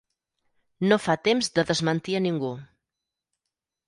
No fa temps de desmentir a ningú.